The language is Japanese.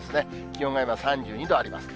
気温が今、３２度あります。